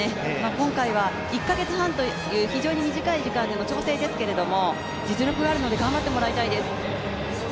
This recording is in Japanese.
今回は１か月半という非常に短い期間での調整ですけど実力があるので頑張ってもらいたいです。